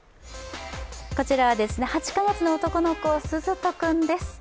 こちらは、８か月の男の子すずと君です。